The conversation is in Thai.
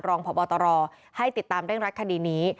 รองพบตรให้ติดตามเร่งรัดคดีนี้